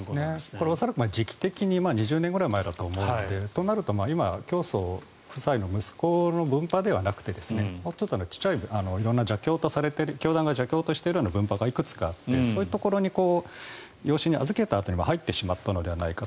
これ、恐らく時期的に２０年ぐらい前だと思うんですがとなると、今、教祖夫妻の息子の分派ではなくてもうちょっと小さい教団が邪教としているような分派がいくつかあってそういうところに養子に預けたというか入ってしまったのではないか。